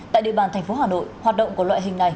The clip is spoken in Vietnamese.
tại địa bàn thành phố hà nội hoạt động của loại hình này